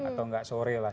atau tidak sore lah